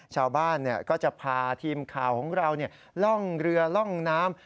ชาวบ้านก็จะพาทีมข่าวของเราล่องเรือล่องน้ำ